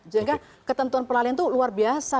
jangan ketentuan peralihan itu luar biasa